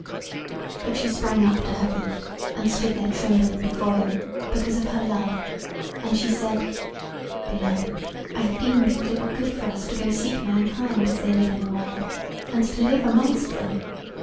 But she sprang up to her feet, and stood there trembling before him, because of her love; and she said: "Beloved, I have deemed that it were good for us to go seek mankind as they live in the world, and to live amongst them.